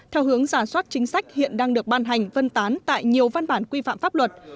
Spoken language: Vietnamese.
theo hướng giả soát chính sách hiện đang được ban hành vân tán tại nhiều văn bản quy phạm pháp luật